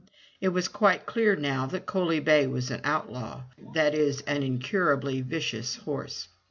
It was quite clear now that Coaly bay was an outlaw'' — that is an incurably vicious horse.